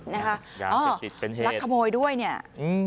ยาเสพติดเป็นเหตุลักขโมยด้วยเนี่ยอืม